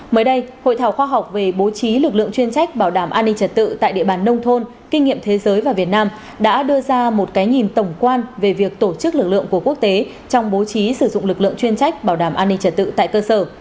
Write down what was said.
mới đây hội thảo khoa học về bố trí lực lượng chuyên trách bảo đảm an ninh trật tự tại địa bàn nông thôn kinh nghiệm thế giới và việt nam đã đưa ra một cái nhìn tổng quan về việc tổ chức lực lượng của quốc tế trong bố trí sử dụng lực lượng chuyên trách bảo đảm an ninh trật tự tại cơ sở